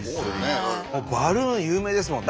バルーン有名ですもんね。